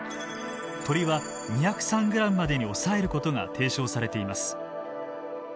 鶏は２０３ｇまでに抑えることが提唱されています。